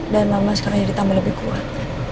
dan mama sekarang jadi tambah lebih kuat